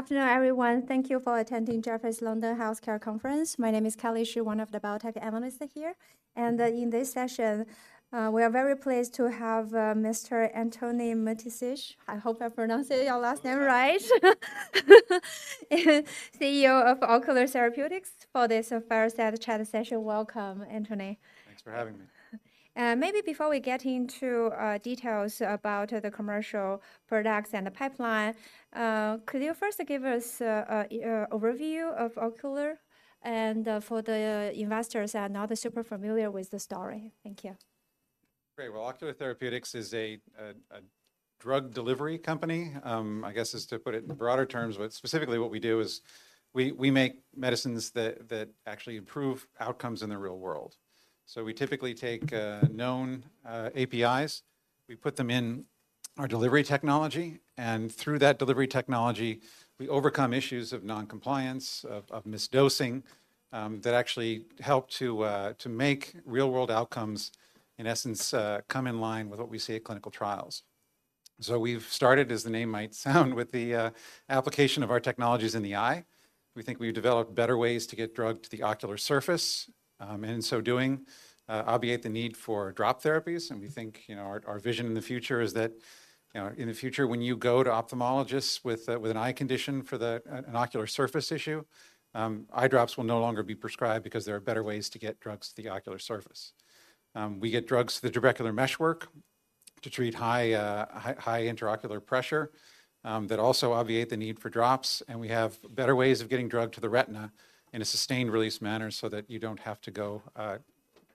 Good afternoon, everyone. Thank you for attending Jefferies London Healthcare Conference. My name is Kelly Shi, one of the biotech analysts here, and, in this session, we are very pleased to have, Mr. Antony Mattessich. I hope I pronounced your last name right. CEO of Ocular Therapeutix for this fireside chat session. Welcome, Antony. Thanks for having me. Maybe before we get into details about the commercial products and the pipeline, could you first give us an overview of Ocular and, for the investors that are not super familiar with the story? Thank you. Great. Well, Ocular Therapeutix is a drug delivery company, I guess is to put it in broader terms, but specifically what we do is we make medicines that actually improve outcomes in the real world. So we typically take known APIs, we put them in our delivery technology, and through that delivery technology, we overcome issues of non-compliance, of misdosing, that actually help to make real-world outcomes, in essence, come in line with what we see at clinical trials. So we've started, as the name might sound, with the application of our technologies in the eye. We think we've developed better ways to get drug to the ocular surface, and in so doing, obviate the need for drop therapies, and we think, you know, our, our vision in the future is that, you know, in the future, when you go to ophthalmologists with, with an eye condition for an ocular surface issue, eye drops will no longer be prescribed because there are better ways to get drugs to the ocular surface. We get drugs to the trabecular meshwork to treat high, high intraocular pressure, that also obviate the need for drops, and we have better ways of getting drug to the retina in a sustained release manner so that you don't have to go,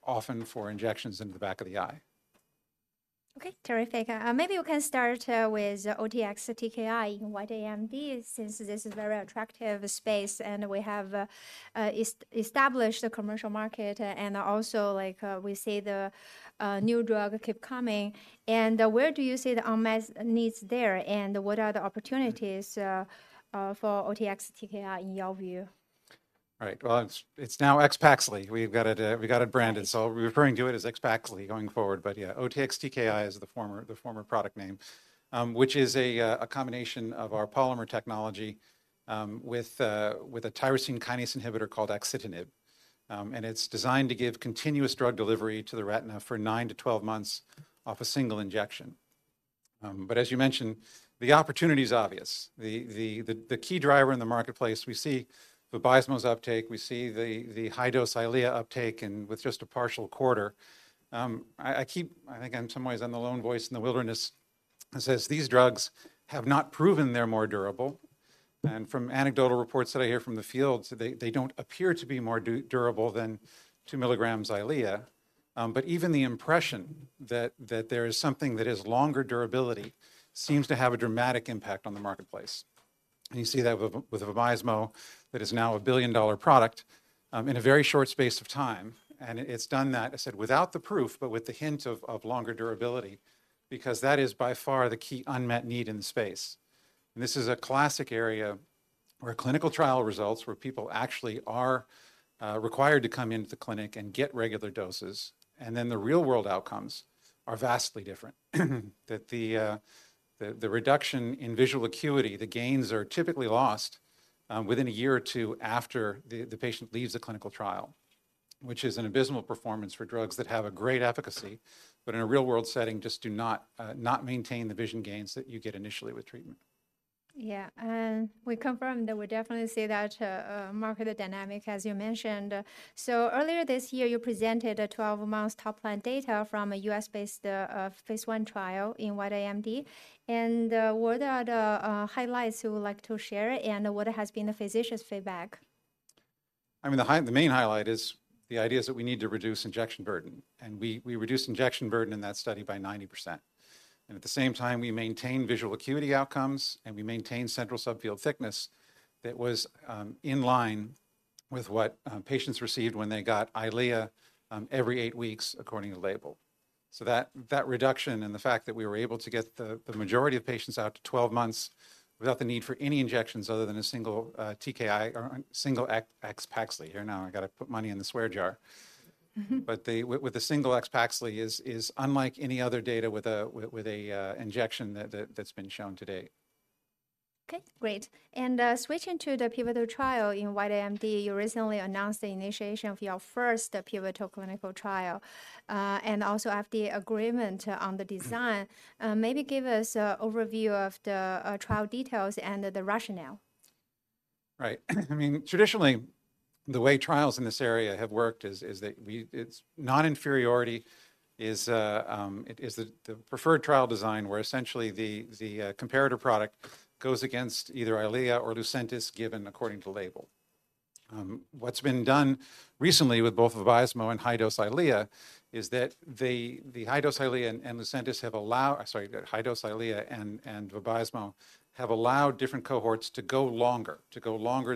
often for injections in the back of the eye. Okay, terrific. Maybe you can start with OTX-TKI in wet AMD, since this is a very attractive space and we have established the commercial market and also like we see the new drug keep coming. Where do you see the unmet needs there, and what are the opportunities for OTX-TKI in your view? Right. Well, it's now AXPAXLI. We've got it, we got it branded, so we're referring to it as AXPAXLI going forward. But yeah, OTX-TKI is the former product name, which is a combination of our polymer technology with a tyrosine kinase inhibitor called axitinib. And it's designed to give continuous drug delivery to the retina for nine to 12 months off a single injection. But as you mentioned, the opportunity is obvious. The key driver in the marketplace, we see Vabysmo's uptake, we see the high-dose Eylea uptake and with just a partial quarter. I keep—I think in some ways I'm the lone voice in the wilderness that says these drugs have not proven they're more durable, and from anecdotal reports that I hear from the field, they don't appear to be more durable than 2 mg Eylea. But even the impression that there is something that is longer durability seems to have a dramatic impact on the marketplace. You see that with Vabysmo, that is now a billion-dollar product, in a very short space of time, and it's done that, I said, without the proof, but with the hint of longer durability, because that is by far the key unmet need in the space. This is a classic area where clinical trial results, where people actually are required to come into the clinic and get regular doses, and then the real-world outcomes are vastly different. That the reduction in visual acuity, the gains are typically lost within a year or two after the patient leaves the clinical trial, which is an abysmal performance for drugs that have a great efficacy, but in a real-world setting, just do not maintain the vision gains that you get initially with treatment. Yeah. And we confirmed that we definitely see that market dynamic, as you mentioned. So earlier this year, you presented a 12-month topline data from a U.S.-based phase I trial in wet AMD. And, what are the highlights you would like to share, and what has been the physicians' feedback? I mean, the main highlight is the idea is that we need to reduce injection burden, and we, we reduced injection burden in that study by 90%. And at the same time, we maintained visual acuity outcomes, and we maintained central subfield thickness that was in line with what patients received when they got Eylea every eight weeks, according to label. So that, that reduction and the fact that we were able to get the, the majority of patients out to 12 months without the need for any injections other than a single TKI or single AXPAXLI. Here, now, I got to put money in the swear jar. Mm-hmm. But the single AXPAXLI is unlike any other data with an injection that's been shown to date. Okay, great. Switching to the pivotal trial in wet AMD, you recently announced the initiation of your first pivotal clinical trial, and also FDA agreement on the design. Mm-hmm. Maybe give us an overview of the trial details and the rationale. Right. I mean, traditionally, the way trials in this area have worked is it's non-inferiority. It is the comparator product goes against either Eylea or Lucentis, given according to label. What's been done recently with both Vabysmo and high-dose Eylea is that the high-dose Eylea and Vabysmo have allowed different cohorts to go longer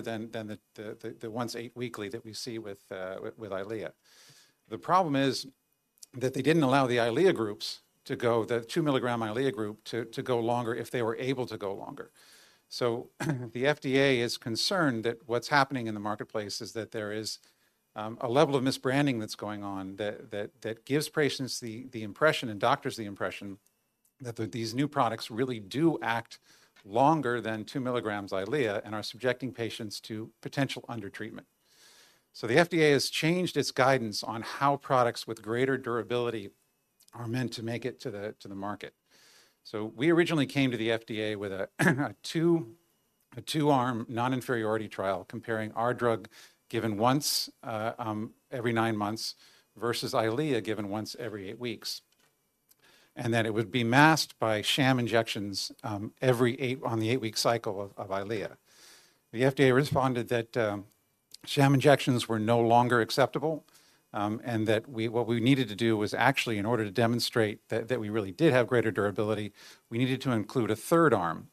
than the once eight weekly that we see with Eylea. The problem is that they didn't allow the Eylea groups to go, the 2 mg Eylea group, to go longer if they were able to go longer. So the FDA is concerned that what's happening in the marketplace is that there is a level of misbranding that's going on that gives patients the impression and doctors the impression that these new products really do act longer than 2 mg Eylea and are subjecting patients to potential undertreatment. So the FDA has changed its guidance on how products with greater durability are meant to make it to the market. So we originally came to the FDA with a two-arm non-inferiority trial comparing our drug given once every nine months versus Eylea, given once every eight weeks. And that it would be masked by sham injections every eight on the eight-week cycle of Eylea. The FDA responded that sham injections were no longer acceptable, and that what we needed to do was actually, in order to demonstrate that we really did have greater durability, we needed to include a third arm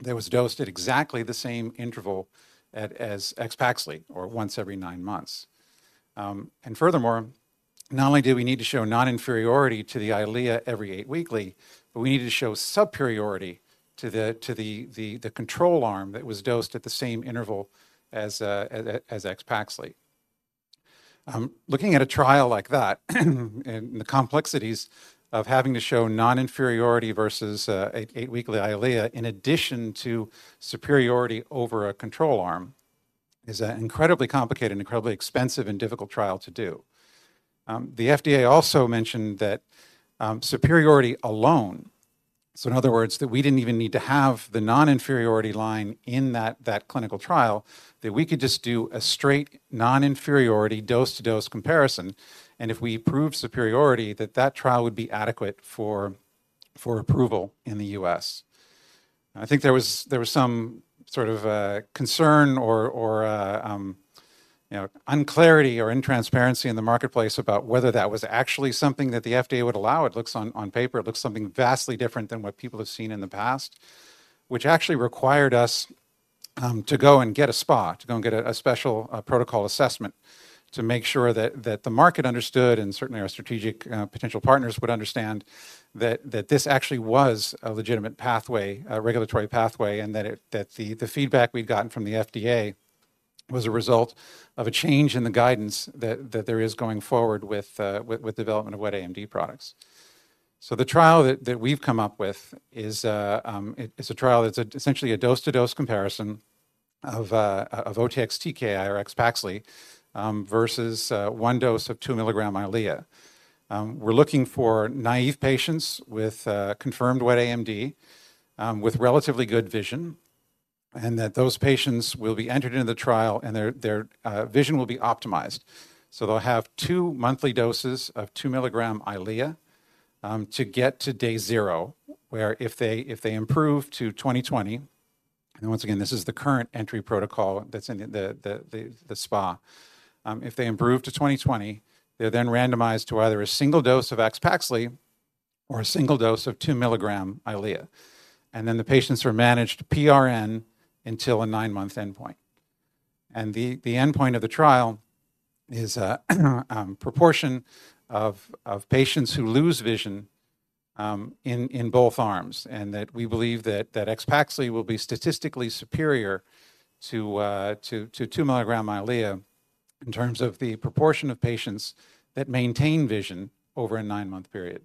that was dosed at exactly the same interval as AXPAXLI, or once every nine months. And furthermore, not only do we need to show non-inferiority to the Eylea every eight weekly, but we need to show superiority to the control arm that was dosed at the same interval as AXPAXLI. Looking at a trial like that, and the complexities of having to show non-inferiority versus eight-weekly Eylea, in addition to superiority over a control arm, is an incredibly complicated and incredibly expensive and difficult trial to do. The FDA also mentioned that, superiority alone, so in other words, that we didn't even need to have the non-inferiority line in that, that clinical trial, that we could just do a straight non-inferiority dose-to-dose comparison, and if we prove superiority, that that trial would be adequate for, for approval in the U.S. I think there was, there was some sort of, concern or, or, you know, unclarity or intransparency in the marketplace about whether that was actually something that the FDA would allow. It looks, on paper, something vastly different than what people have seen in the past, which actually required us to go and get a SPA, to go and get a special protocol assessment to make sure that the market understood, and certainly our strategic potential partners would understand that this actually was a legitimate pathway, a regulatory pathway, and that the feedback we've gotten from the FDA was a result of a change in the guidance that there is going forward with development of wet AMD products. So the trial that we've come up with is a trial that's essentially a dose-to-dose comparison of OTX-TKI or AXPAXLI versus one dose of 2 mg Eylea. We're looking for naive patients with confirmed Wet AMD with relatively good vision, and that those patients will be entered into the trial, and their vision will be optimized. So they'll have two monthly doses of 2 mg Eylea to get to day zero, where if they improve to 20/20, and once again, this is the current entry protocol that's in the SPA. If they improve to 20/20, they're then randomized to either a single dose of AXPAXLI or a single dose of 2 mg Eylea. And then the patients are managed PRN until a nine-month endpoint. The endpoint of the trial is a proportion of patients who lose vision in both arms, and that we believe that AXPAXLI will be statistically superior to 2 mg Eylea in terms of the proportion of patients that maintain vision over a nine-month period.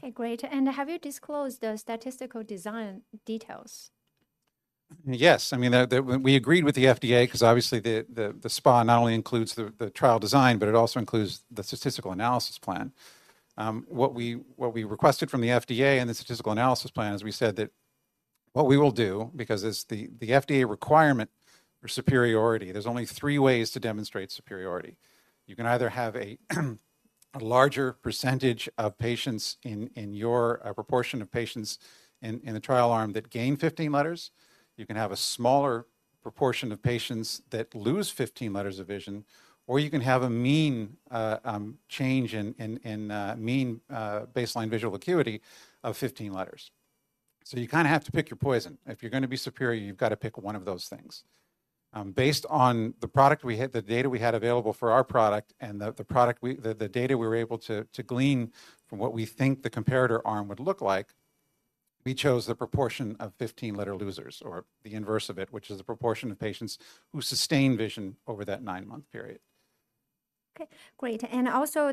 Okay, great. Have you disclosed the statistical design details? Yes. I mean, we agreed with the FDA because obviously the SPA not only includes the trial design, but it also includes the statistical analysis plan. What we requested from the FDA in the statistical analysis plan is we said that what we will do, because it's the FDA requirement for superiority, there's only three ways to demonstrate superiority. You can either have a larger percentage of patients in your proportion of patients in the trial arm that gain 15 letters. You can have a smaller proportion of patients that lose 15 letters of vision, or you can have a mean change in baseline visual acuity of 15 letters. So you kinda have to pick your poison. If you're gonna be superior, you've got to pick one of those things. Based on the product we had, the data we had available for our product and the data we were able to glean from what we think the comparator arm would look like, we chose the proportion of 15-letter losers or the inverse of it, which is the proportion of patients who sustain vision over that nine-month period. Okay, great. And also,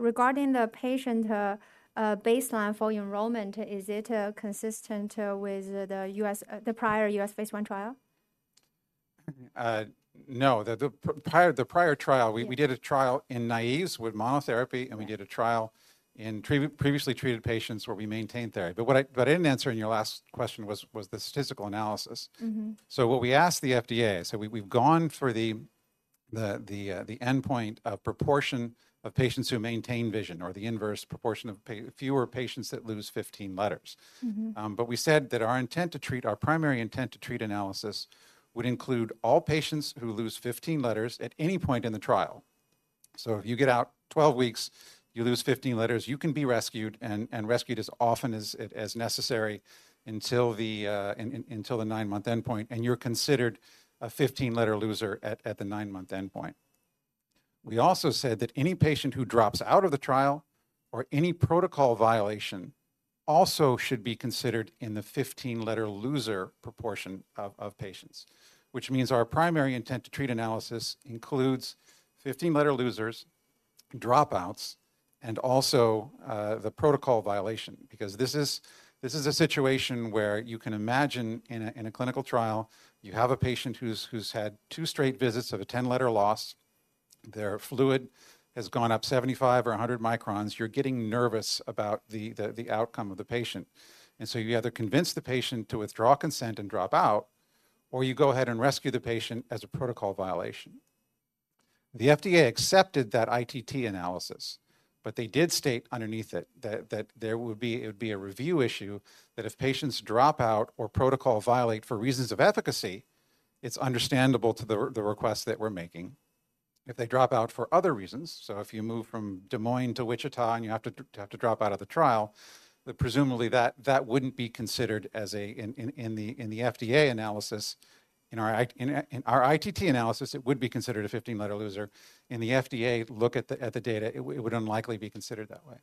regarding the patient baseline for enrollment, is it consistent with the prior U.S. phase I trial? No, the prior trial- Yeah. We, we did a trial in naïves with monotherapy. Yeah. We did a trial in previously treated patients, where we maintained therapy. But what I didn't answer in your last question was the statistical analysis. Mm-hmm. So what we asked the FDA, we've gone for the endpoint of proportion of patients who maintain vision, or the inverse proportion of fewer patients that lose 15 letters. Mm-hmm. But we said that our intent to treat, our primary intent to treat analysis would include all patients who lose 15 letters at any point in the trial. So if you get out 12 weeks, you lose 15 letters, you can be rescued and rescued as often as necessary until the nine-month endpoint, and you're considered a 15-letter loser at the nine-month endpoint. We also said that any patient who drops out of the trial or any protocol violation also should be considered in the 15-letter loser proportion of patients, which means our primary intent to treat analysis includes 15-letter losers. Dropouts and also, the protocol violation, because this is a situation where you can imagine in a clinical trial, you have a patient who's had two straight visits of a 10-letter loss, their fluid has gone up 75 or 100 microns. You're getting nervous about the outcome of the patient, and so you either convince the patient to withdraw consent and drop out, or you go ahead and rescue the patient as a protocol violation. The FDA accepted that ITT analysis, but they did state underneath it that there would be—it would be a review issue that if patients drop out or protocol violate for reasons of efficacy, it's understandable to the request that we're making. If they drop out for other reasons, so if you move from Des Moines to Wichita, and you have to drop out of the trial, then presumably, that wouldn't be considered as an in the FDA analysis. In our ITT analysis, it would be considered a 15-letter loser. In the FDA look at the data, it would unlikely be considered that way.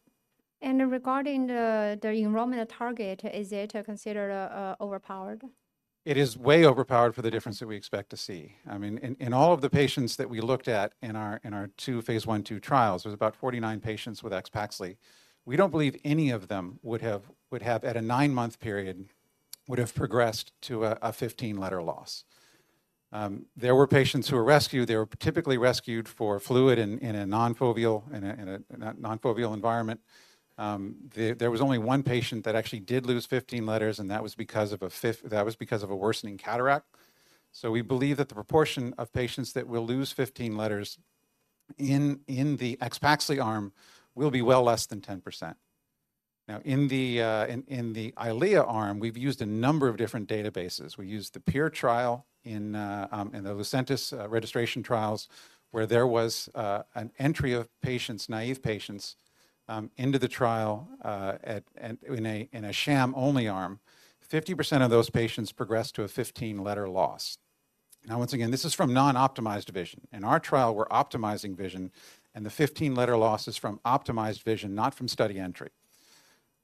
Regarding the enrollment target, is it considered overpowered? It is way overpowered for the difference that we expect to see. I mean, in all of the patients that we looked at in our two phase I/II trials, there was about 49 patients with AXPAXLI. We don't believe any of them would have, at a nine-month period, progressed to a 15-letter loss. There were patients who were rescued. They were typically rescued for fluid in a non-foveal environment. There was only one patient that actually did lose 15 letters, and that was because of a worsening cataract. So we believe that the proportion of patients that will lose 15 letters in the AXPAXLI arm will be well less than 10%. Now, in the Eylea arm, we've used a number of different databases. We used the PIER trial in the Lucentis registration trials, where there was an entry of patients, naive patients, into the trial, in a sham-only arm. 50% of those patients progressed to a 15-letter loss. Now, once again, this is from non-optimized vision. In our trial, we're optimizing vision, and the 15-letter loss is from optimized vision, not from study entry.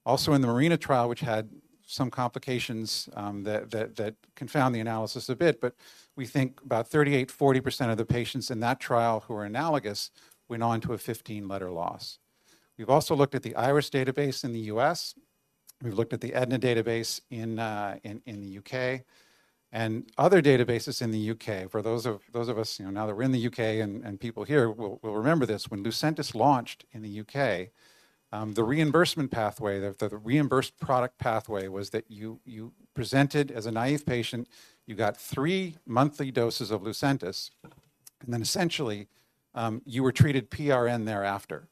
Also, in the MARINA trial, which had some complications that confound the analysis a bit, but we think about 38%-40% of the patients in that trial who are analogous went on to a 15-letter loss. We've also looked at the IRIS database in the U.S., we've looked at the Aetna database in the U.K., and other databases in the U.K. For those of us, you know, now that we're in the U.K. and people here will remember this, when Lucentis launched in the U.K., the reimbursement pathway, the reimbursed product pathway was that you presented as a naïve patient, you got three monthly doses of Lucentis, and then essentially you were treated PRN thereafter,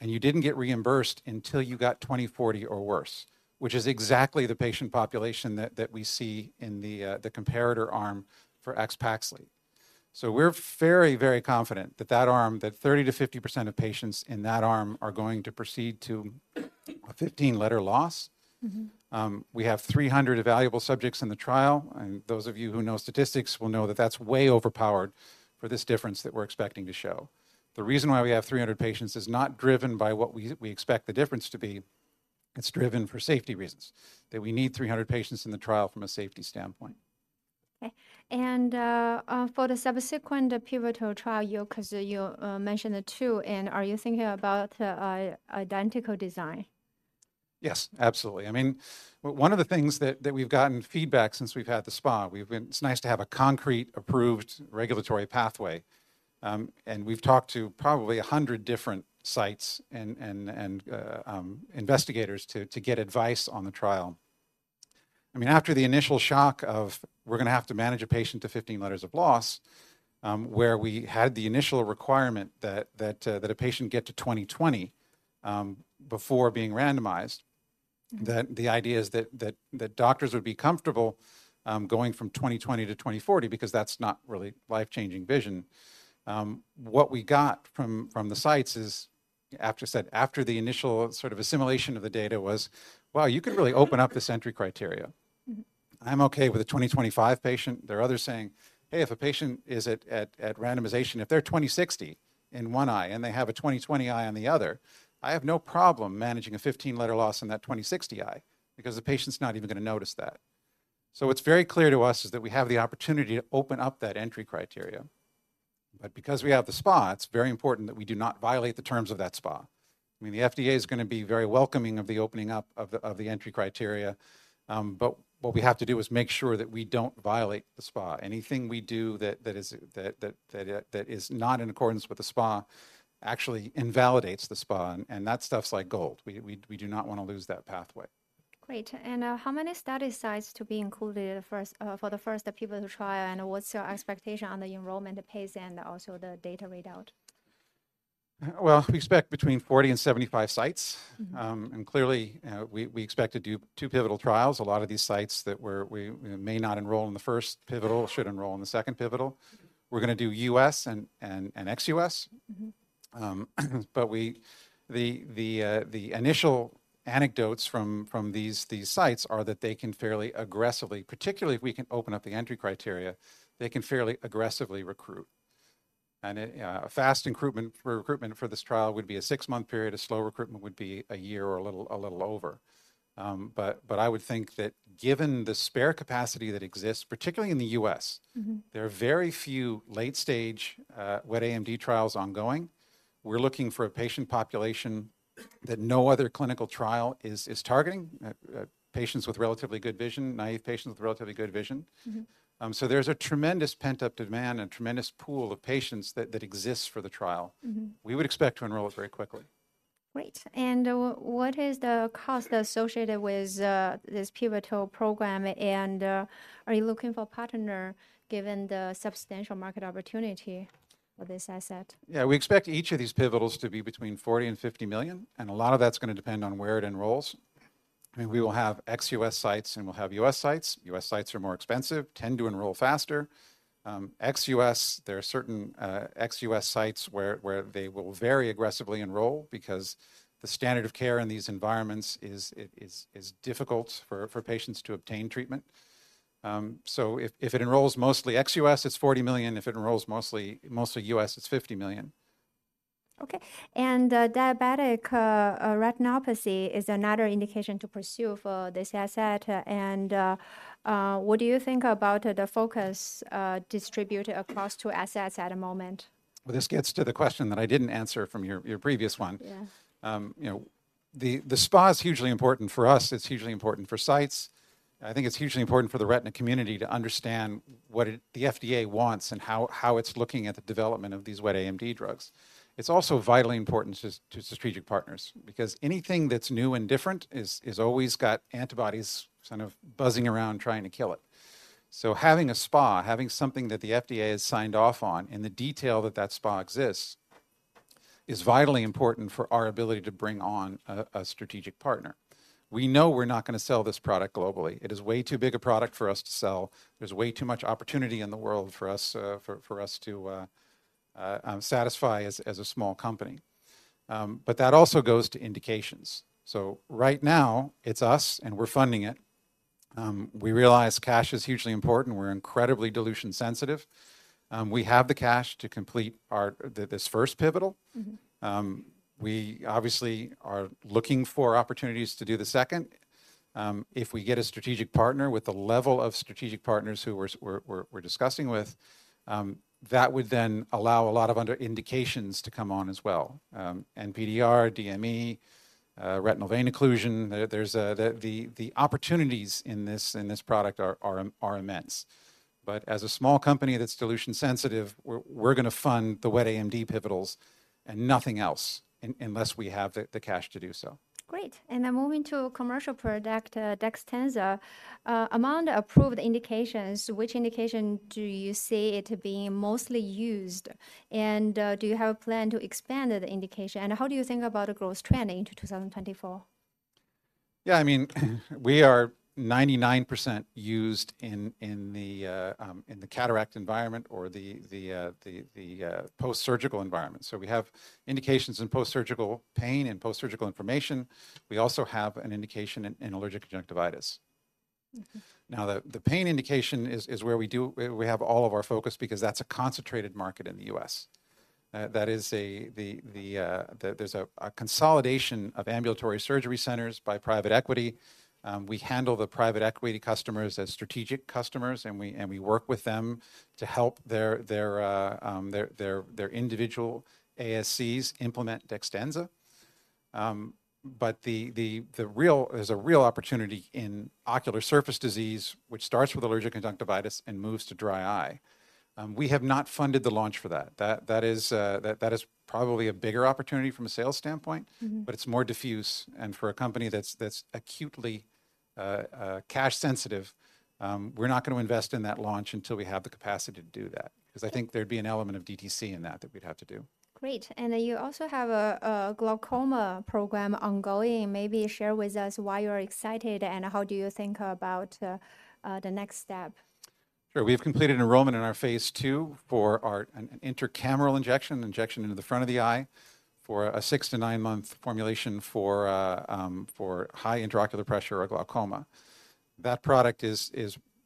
and you didn't get reimbursed until you got 20/40 or worse, which is exactly the patient population that we see in the comparator arm for AXPAXLI. So we're very, very confident that that arm, that 30%-50% of patients in that arm are going to proceed to a 15-letter loss. Mm-hmm. We have 300 evaluable subjects in the trial, and those of you who know statistics will know that that's way overpowered for this difference that we're expecting to show. The reason why we have 300 patients is not driven by what we expect the difference to be, it's driven for safety reasons, that we need 300 patients in the trial from a safety standpoint. Okay. For the subsequent pivotal trial, you... 'cause you mentioned the two, and are you thinking about a identical design? Yes, absolutely. I mean, one of the things that we've gotten feedback since we've had the SPA, we've been—it's nice to have a concrete, approved regulatory pathway. And we've talked to probably 100 different sites and investigators to get advice on the trial. I mean, after the initial shock of we're gonna have to manage a patient to 15 letters of loss, where we had the initial requirement that a patient get to 20/20 before being randomized, that the idea is that doctors would be comfortable going from 20/20 to 20/40 because that's not really life-changing vision. What we got from the sites is, after the initial sort of assimilation of the data was, "Wow, you could really open up this entry criteria. Mm-hmm. I'm okay with a 20/20 patient." There are others saying, "Hey, if a patient is at randomization, if they're 20/60 in one eye and they have a 20/20 eye on the other, I have no problem managing a 15-letter loss in that 20/60 eye because the patient's not even gonna notice that." So it's very clear to us is that we have the opportunity to open up that entry criteria. But because we have the SPA, it's very important that we do not violate the terms of that SPA. I mean, the FDA is gonna be very welcoming of the opening up of the entry criteria, but what we have to do is make sure that we don't violate the SPA. Anything we do that is not in accordance with the SPA actually invalidates the SPA, and that stuff's like gold. We do not want to lose that pathway. Great. How many study sites to be included first, for the first, the people who try, and what's your expectation on the enrollment pace and also the data readout? Well, we expect between 40 and 75 sites. Mm-hmm. And clearly, we expect to do two pivotal trials. A lot of these sites that we may not enroll in the first pivotal should enroll in the second pivotal. We're gonna do U.S. and ex-U.S. Mm-hmm. But the initial anecdotes from these sites are that they can fairly aggressively... particularly if we can open up the entry criteria, they can fairly aggressively recruit. A fast recruitment for this trial would be a six-month period, a slow recruitment would be a year or a little over. I would think that given the spare capacity that exists, particularly in the U.S. Mm-hmm There are very few late-stage wet AMD trials ongoing. We're looking for a patient population that no other clinical trial is targeting, patients with relatively good vision, naive patients with relatively good vision. Mm-hmm. So there's a tremendous pent-up demand and tremendous pool of patients that exists for the trial. Mm-hmm. We would expect to enroll it very quickly. Great. What, what is the cost associated with this pivotal program, and are you looking for partner given the substantial market opportunity for this asset? Yeah, we expect each of these pivotals to be between $40 million and $50 million, and a lot of that's gonna depend on where it enrolls. I mean, we will have ex-U.S. sites, and we'll have U.S. sites. U.S. sites are more expensive, tend to enroll faster. Ex-U.S., there are certain ex-U.S. sites where they will very aggressively enroll because the standard of care in these environments is difficult for patients to obtain treatment. So if it enrolls mostly ex-U.S., it's $40 million. If it enrolls mostly U.S., it's $50 million. Okay. And, diabetic retinopathy is another indication to pursue for this asset. And, what do you think about the focus, distributed across two assets at the moment? Well, this gets to the question that I didn't answer from your, your previous one. Yeah. You know, the SPA is hugely important for us. It's hugely important for sites. I think it's hugely important for the retina community to understand what it, the FDA wants and how it's looking at the development of these wet AMD drugs. It's also vitally important to strategic partners because anything that's new and different is always got antibodies kind of buzzing around, trying to kill it. So having a SPA, having something that the FDA has signed off on, and the detail that that SPA exists, is vitally important for our ability to bring on a strategic partner. We know we're not gonna sell this product globally. It is way too big a product for us to sell. There's way too much opportunity in the world for us to satisfy as a small company. But that also goes to indications. So right now, it's us, and we're funding it. We realize cash is hugely important, we're incredibly dilution sensitive. We have the cash to complete this first pivotal. Mm-hmm. We obviously are looking for opportunities to do the second. If we get a strategic partner with the level of strategic partners who we're discussing with, that would then allow a lot of other indications to come on as well. NPDR, DME, retinal vein occlusion, the opportunities in this product are immense. But as a small company that's dilution sensitive, we're gonna fund the wet AMD pivotals and nothing else, unless we have the cash to do so. Great. And then moving to commercial product, DEXTENZA. Among the approved indications, which indication do you see it being mostly used? And, do you have a plan to expand the indication, and how do you think about the growth trending to 2024? Yeah, I mean, we are 99% used in the cataract environment or the post-surgical environment. So we have indications in post-surgical pain and post-surgical inflammation. We also have an indication in allergic conjunctivitis. Mm-hmm. Now, the pain indication is where we have all of our focus because that's a concentrated market in the U.S. That is a consolidation of ambulatory surgery centers by private equity. We handle the private equity customers as strategic customers, and we work with them to help their individual ASCs implement DEXTENZA. But there's a real opportunity in ocular surface disease, which starts with allergic conjunctivitis and moves to dry eye. We have not funded the launch for that. That is probably a bigger opportunity from a sales standpoint. Mm-hmm. but it's more diffuse. And for a company that's acutely cash sensitive, we're not gonna invest in that launch until we have the capacity to do that. Yeah. 'Cause I think there'd be an element of DTC in that, that we'd have to do. Great. And you also have a glaucoma program ongoing. Maybe share with us why you're excited, and how do you think about the next step? Sure. We have completed enrollment in our phase II for our—an intracameral injection, an injection into the front of the eye, for a six to nine-month formulation for high intraocular pressure or glaucoma. That product is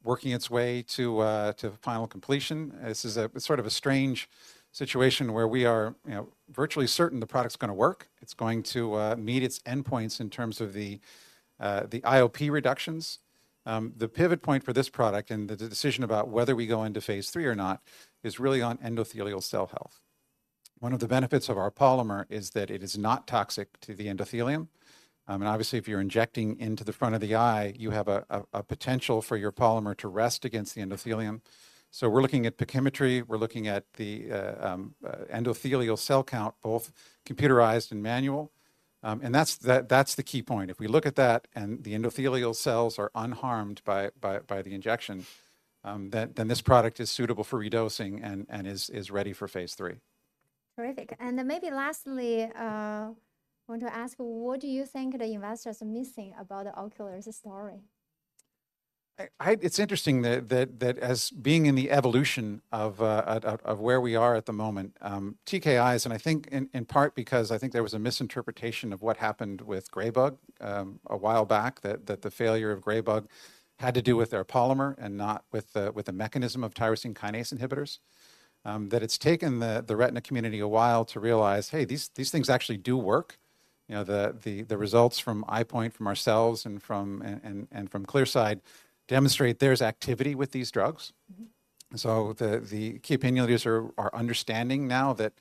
working its way to final completion. This is a sort of a strange situation where we are, you know, virtually certain the product's gonna work. It's going to meet its endpoints in terms of the IOP reductions. The pivot point for this product and the decision about whether we go into phase 3 or not is really on endothelial cell health. One of the benefits of our polymer is that it is not toxic to the endothelium. And obviously, if you're injecting into the front of the eye, you have a potential for your polymer to rest against the endothelium. So we're looking at pachymetry, we're looking at the endothelial cell count, both computerized and manual. And that's the key point. If we look at that, and the endothelial cells are unharmed by the injection, then this product is suitable for redosing and is ready for phase III. Terrific. And then maybe lastly, I want to ask, what do you think the investors are missing about the Ocular's story? It's interesting that as being in the evolution of where we are at the moment, TKIs, and I think in part, because I think there was a misinterpretation of what happened with Graybug, a while back, that the failure of Graybug had to do with their polymer and not with the mechanism of tyrosine kinase inhibitors, that it's taken the retina community a while to realize, hey, these things actually do work. You know, the results from EyePoint, from ourselves, and from Clearside demonstrate there's activity with these drugs. Mm-hmm. So the key opinion leaders are understanding now that,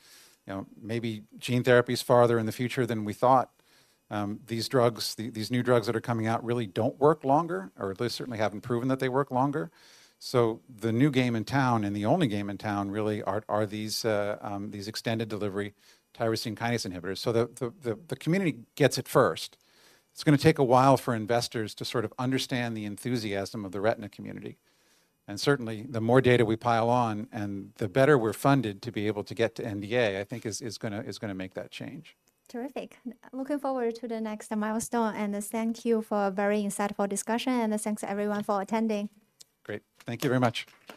you know, maybe gene therapy is farther in the future than we thought. These drugs, these new drugs that are coming out really don't work longer, or at least certainly haven't proven that they work longer. So the new game in town, and the only game in town, really, are these extended delivery tyrosine kinase inhibitors. So the community gets it first. It's gonna take a while for investors to sort of understand the enthusiasm of the retina community. And certainly, the more data we pile on and the better we're funded to be able to get to NDA, I think is gonna make that change. Terrific. Looking forward to the next milestone, and thank you for a very insightful discussion, and thanks, everyone, for attending. Great. Thank you very much.